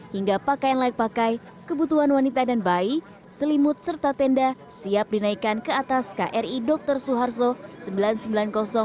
hingga pakaian layak pakai kebutuhan wanita dan bayi selimut serta tenda siap dinaikkan ke atas kri dr suharto sembilan ratus sembilan puluh